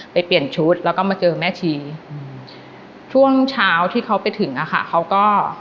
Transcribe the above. เปลี่ยนชุดแล้วก็มาเจอแม่ชีอืมช่วงเช้าที่เขาไปถึงอะค่ะเขาก็